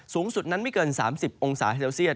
สูงสุดนั้นไม่เกิน๓๐องศาเซลเซียต